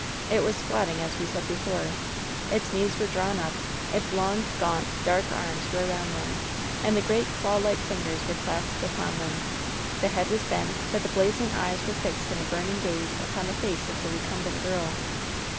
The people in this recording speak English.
It was squatting, as we said before. Its knees were drawn up ; its long, gaunt, dark arms were around them, and the great claw like fingers were clasped upon them. The head was bent, but the blazing eyes were fixed in a burn ing gaze upon the face of the recumbent girl.